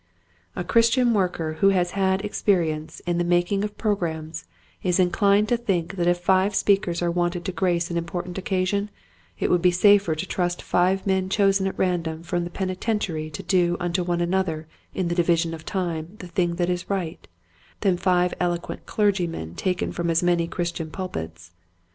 " A Christian worker who has had experience in the making of programs is inclined to think that if five speakers are wanted to grace an important occasion it would be safer to trust five men chosen at random from the penitentiary to do unto one another in the division of time the thing that is right, than five eloquent clergymen taken from as many Christian pulpits.